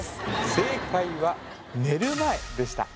正解は寝る前でした